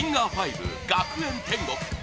５「学園天国」